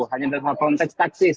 hanya dalam konteks taktis